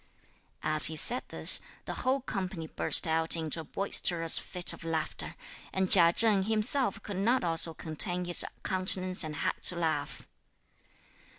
As he said this, the whole company burst out into a boisterous fit of laughter, and Chia Cheng himself could not also contain his countenance and had to laugh.